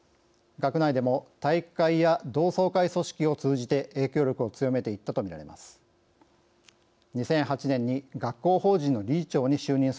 学内でも体育会や同窓会組織を通じて影響力を強めていったとみられます。